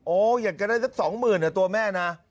โอ้อยากจะได้สัก๒หมื่นเหรอตัวแม่นะ